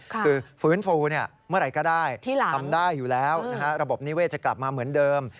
คือฟื้นฟูเมื่อไหร่ก็ได้ทำได้อยู่แล้วระบบนิเวศจะกลับมาเหมือนเดิม